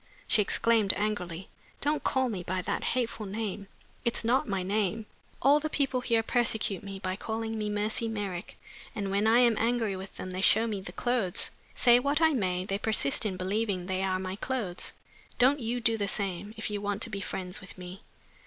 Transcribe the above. She exclaimed angrily, "Don't call me by that hateful name! It's not my name. All the people here persecute me by calling me Mercy Merrick. And when I am angry with them they show me the clothes. Say what I may, they persist in believing they are my clothes. Don't you do the same, if you want to be friends with me."